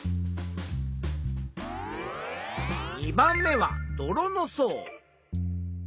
２番目は泥の層。